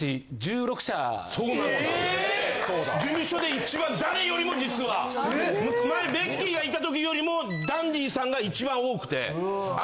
・えっ・事務所で一番誰よりも実は前ベッキーがいたときよりもダンディさんが一番多くて。